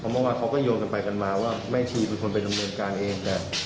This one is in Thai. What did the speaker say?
เพราะว่าเขาก็โยงกันไปกันมาว่าแม่ชีคือคนเป็นธรรมยนต์การเอง